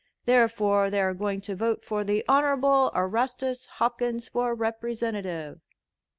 Therefore they are going to vote for the Honorable Erastus Hopkins for Representative."